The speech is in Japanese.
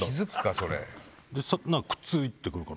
それ。